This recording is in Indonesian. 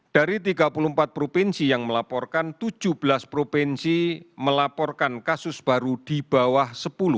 dari tiga puluh empat provinsi yang melaporkan tujuh belas provinsi melaporkan kasus baru di bawah sepuluh